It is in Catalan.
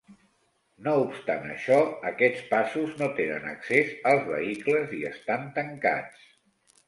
No obstant això, aquests passos no tenen accés als vehicles i estan tancats.